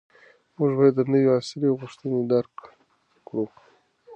موږ باید د نوي عصر غوښتنې درک کړو.